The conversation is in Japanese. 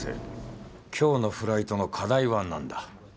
今日のフライトの課題は何だ？